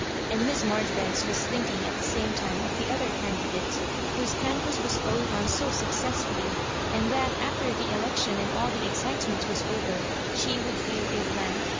And Miss Marjoribanks was thinking at the same time of the other candidate, whose canvass was going on so successfully ; and that, after the election and all the excitement was over, she would feel a blank.